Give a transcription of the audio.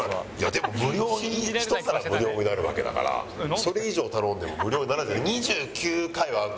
でも無料に１皿無料になるわけだからそれ以上頼んでも無料にならない。